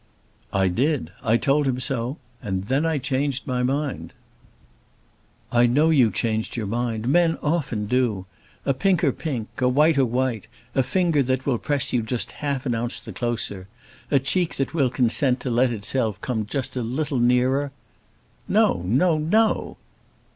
"I did. I told him so. And then I changed my mind." "I know you changed your mind. Men often do. A pinker pink, a whiter white, a finger that will press you just half an ounce the closer, a cheek that will consent to let itself come just a little nearer !" "No; no; no!"